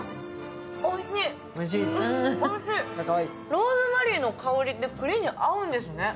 ローズマリーの香りって栗に合うんですね。